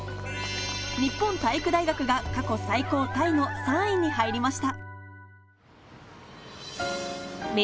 日本体育大学が過去最高タイの３位に入りました。